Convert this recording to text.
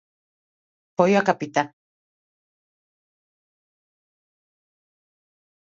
Foi a capitá.